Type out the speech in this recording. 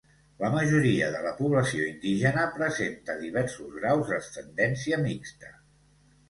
La majoria de la població indígena presenta diversos graus d'ascendència mixta.